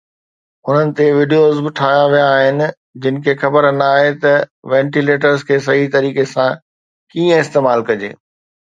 انهن تي وڊيوز به ٺاهيا ويا آهن جن کي خبر ناهي ته وينٽيليٽر کي صحيح طريقي سان ڪيئن استعمال ڪجي